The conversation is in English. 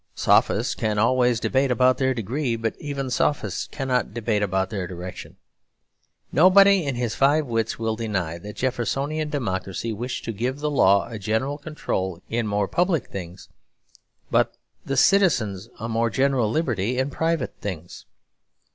Sophists can always debate about their degree; but even sophists cannot debate about their direction. Nobody in his five wits will deny that Jeffersonian democracy wished to give the law a general control in more public things, but the citizens a more general liberty in private things.